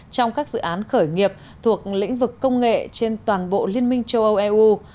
trong các dự án khởi nghiệp thuộc lĩnh vực công nghệ trên toàn bộ liên minh châu âu eu